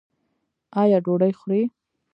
ایا ډوډۍ خورئ؟